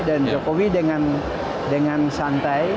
dan jokowi dengan santai